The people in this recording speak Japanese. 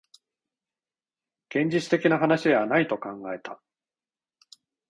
現実的な話ではないと考えた